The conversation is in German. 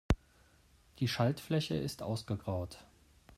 Die Schaltfläche ist ausgegraut.